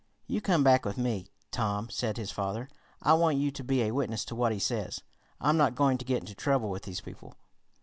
"You come back with me, Tom," said his father. "I want you to be a witness to what he says. I'm not going to get into trouble with these people."